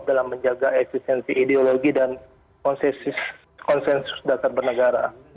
dalam menjaga eksistensi ideologi dan konsensus dasar bernegara